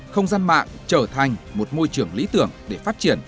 không gian mạng trở thành một môi trường lý tưởng để phát triển